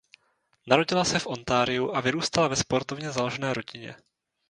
Narodila se v Ontariu a vyrůstala ve sportovně založené rodině.